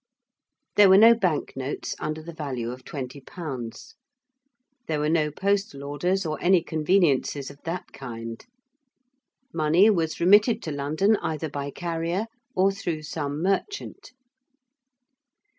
There were no bank notes under the value of 20_l._: there were no postal orders or any conveniences of that kind. Money was remitted to London either by carrier or through some merchant.